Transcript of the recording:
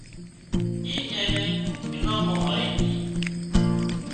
اي اين نين انعام مان مۯِي تي